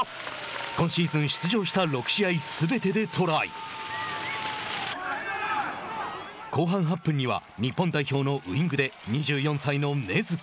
今シーズン、出場した６試合すべてでトライ後半８分には日本代表のウイングで２４歳の根塚。